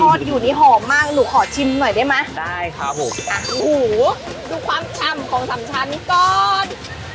อยู่นี่หอมมากหนูขอชิมหน่อยได้ไหมได้ครับผมอ่ะโอ้โหดูความฉ่ำของสามชั้นก่อน